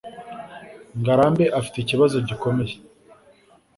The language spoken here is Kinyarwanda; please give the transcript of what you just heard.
ngarambe afite ikibazo gikomeye